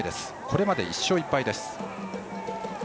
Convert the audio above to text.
これまで１勝１敗です。